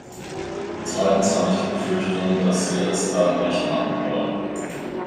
Zweitens habe ich die Befürchtung, dass Sie es allen Recht machen wollen.